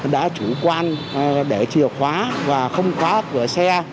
đã chủ quan để chìa khóa và không khóa cửa xe